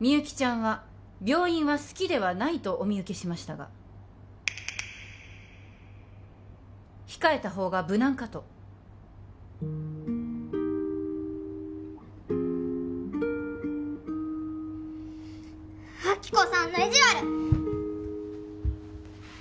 みゆきちゃんは病院は好きではないとお見受けしましたが控えたほうが無難かと亜希子さんの意地悪！